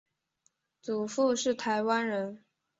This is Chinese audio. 祖父是台湾人。